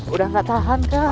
udah gak tahan kang